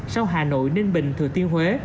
sau hà nội ninh bình thừa tiên huế